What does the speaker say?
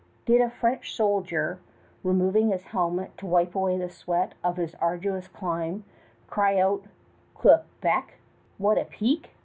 Did a French soldier, removing his helmet to wipe away the sweat of his arduous climb, cry out "Que bec" (What a peak!)